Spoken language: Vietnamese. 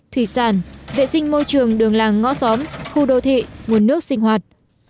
thủy sản vệ sinh môi trường đường làng ngõ xóm khu đô thị nguồn nước sinh hoạt